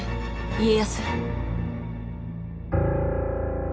家康。